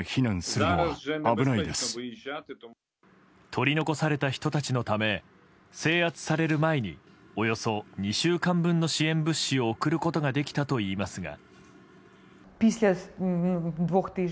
取り残された人たちのため制圧される前におよそ２週間分の支援物資を送ることができたといいますが。